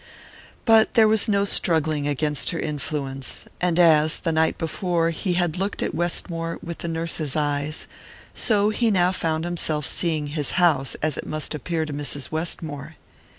But there was no struggling against her influence; and as, the night before, he had looked at Westmore with the nurse's eyes, so he now found himself seeing his house as it must appear to Mrs. Westmore.